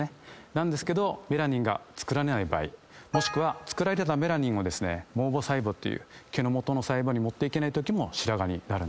なんですけどメラニンが作られない場合もしくは作られたメラニンを毛母細胞という毛のもとの細胞に持ってけないときも白髪になる。